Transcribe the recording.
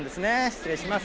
失礼します。